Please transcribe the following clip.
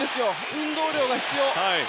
運動量が必要。